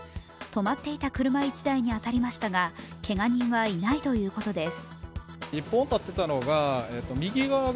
止まっていた車１台に当たりましたがけが人はいないということです。